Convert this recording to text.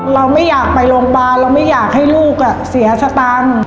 เราไม่อยากไปโรงพยาบาลเราไม่อยากให้ลูกเสียสตังค์